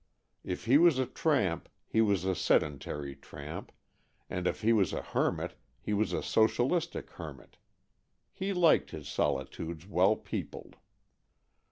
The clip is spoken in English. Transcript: If he was a tramp he was a sedentary tramp, and if he was a hermit he was a socialistic hermit. He liked his solitudes well peopled.